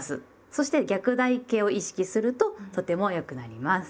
そして逆台形を意識するととても良くなります。